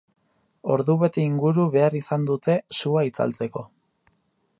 Ordubete inguru behar izan dute sua itzaltzeko.